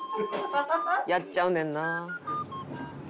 「やっちゃうねんな」